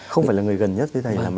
không phải là người gần nhất